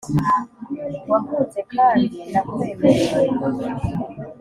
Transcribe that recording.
wankunze kandi ndakwemereye